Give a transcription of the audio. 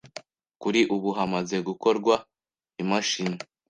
Kuri ubu hamaze gukorwa imashini